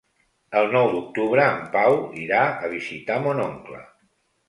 El nou d'octubre en Pau irà a visitar mon oncle.